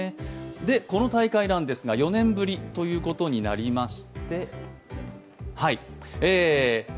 この大会なんですが４年ぶりということになります。